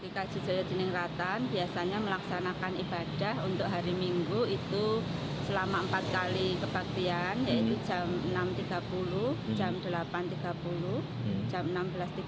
gkj joyo dining ratan biasanya melaksanakan ibadah untuk hari minggu itu selama empat kali kebaktian